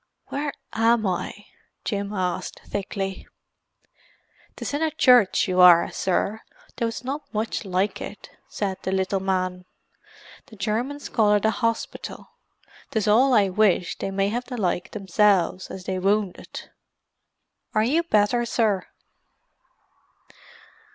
"Where am I?" Jim asked thickly. "'Tis in a church you are, sir, though it's not much like it," said the little man. "The Germans call it a hospital. 'Tis all I wish they may have the like themselves, and they wounded. Are you better, sir?"